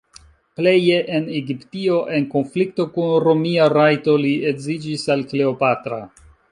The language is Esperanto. Pleje en Egiptio en konflikto kun romia rajto li edziĝis al Kleopatra.